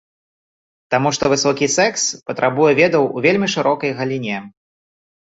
Таму што высокі секс патрабуе ведаў у вельмі шырокай галіне.